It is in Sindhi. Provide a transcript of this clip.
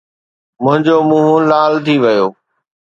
منهنجو منهن لال ٿي ويو